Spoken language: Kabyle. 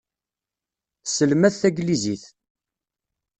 Tesselmad taglizit.